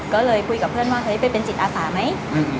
ก็เลยคุยกับเพื่อนว่าเฮ้ยไปเป็นจิตอาสาไหม